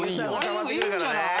いいんじゃない？